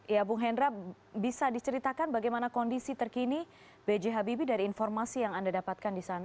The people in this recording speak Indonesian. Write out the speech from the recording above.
ya bung hendra bisa diceritakan bagaimana kondisi terkini b j habibie dari informasi yang anda dapatkan di sana